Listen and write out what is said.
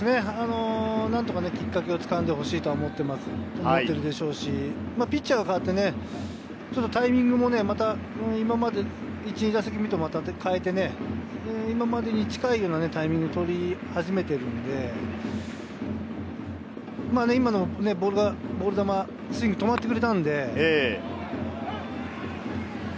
何とかきっかけを掴んでほしいと思っているでしょうし、ピッチャーが代わって、ちょっとタイミングもまた、今まで１・２打席目とは変えて、今までに近いようなタイミングを取り始めているので、今のボール球、スイング止まってくれたので。